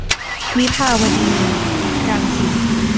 วิภาวดี-รังสิต